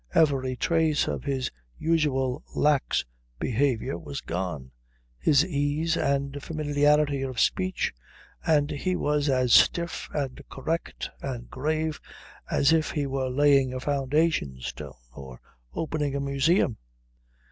Every trace of his usual lax behaviour was gone, his ease and familiarity of speech, and he was as stiff and correct and grave as if he were laying a foundation stone or opening a museum.